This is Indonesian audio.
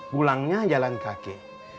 pulangnya jalan kaki